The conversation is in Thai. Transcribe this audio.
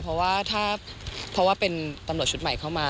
เพราะว่าถ้าเพราะว่าเป็นตำรวจชุดใหม่เข้ามา